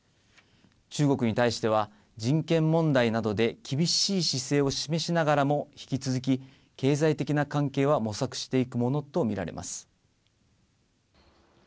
中国に対しては、人権問題などで厳しい姿勢を示しながらも引き続き経済的な関係は模索していくものと見られます。